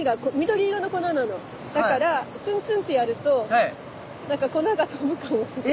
だからツンツンってやると何か粉が飛ぶかもしれない。